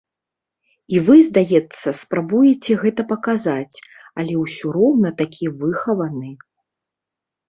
І вы, здаецца, спрабуеце гэта паказаць, але ўсё роўна такі выхаваны.